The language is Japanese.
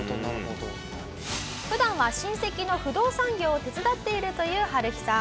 普段は親戚の不動産業を手伝っているというハルヒさん。